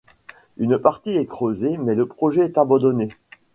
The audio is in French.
Une partie est creusée mais le projet est abandonné.